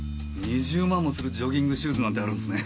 ２０万もするジョギングシューズなんてあるんすね。